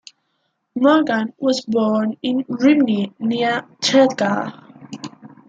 Morgan was born in Rhymney near Tredegar.